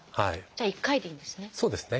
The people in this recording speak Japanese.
じゃあ一回でいいんですね。